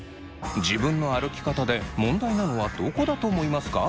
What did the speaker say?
自分の歩き方で問題なのはどこだと思いますか？